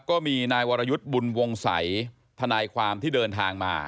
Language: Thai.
ก็มีนายวรยุทธ์บุญวงศัยทนายความที่เดินทางมา